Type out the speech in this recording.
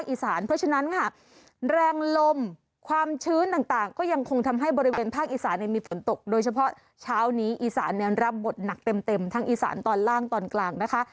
อีสานยังมีฝนตกโดยเฉพาะช้าวนี้อีสานร่ำหมดหนักเต็มทั้งอีสานตอนล่างตอนกลางนะคะ